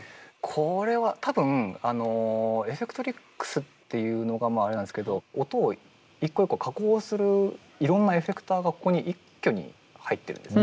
これは多分あのエフェクトリックスっていうのがあれなんですけど音を一個一個加工するいろんなエフェクターがここに一挙に入ってるんです。